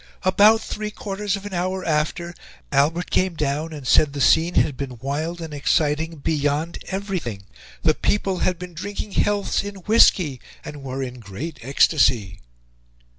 "About three quarters of an hour after Albert came down and said the scene had been wild and exciting beyond everything. The people had been drinking healths in whisky and were in great ecstasy."